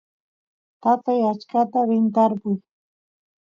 tatay achkata rin tarpuy